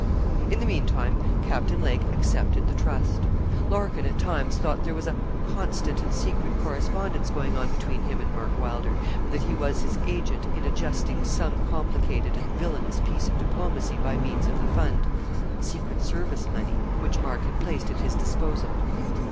In the meantime, Captain Lake accepted the trust. Larkin at times thought there was a constant and secret correspondence going on between him and Mark Wylder, and that he was his agent in adjusting some complicated and villainous piece of diplomacy by means of the fund secret service money which Mark had placed at his disposal.